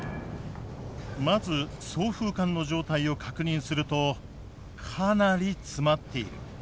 まず送風管の状態を確認するとかなり詰まっている。